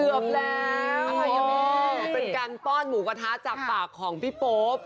เป็นการป้อนหมูกระท้จับปากของพี่โป๊บ